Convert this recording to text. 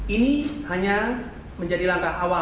ini hanya menjadi langkah awal